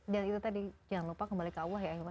dan itu tadi jangan lupa kembali ke allah ya